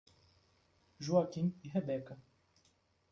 Joaquim e Rebeca